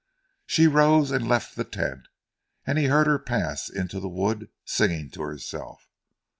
She rose, and left the tent, and he heard her pass into the wood singing to herself.